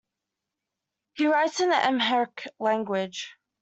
He writes in the Amharic language.